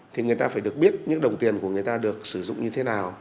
thì người ta phải được biết những đồng tiền của người ta được sử dụng như thế nào